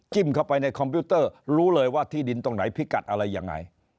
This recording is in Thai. เข้าไปในคอมพิวเตอร์รู้เลยว่าที่ดินตรงไหนพิกัดอะไรยังไง